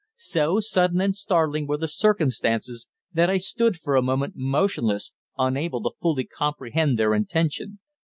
So sudden and startling were the circumstances that I stood for a moment motionless, unable to fully comprehend their intention.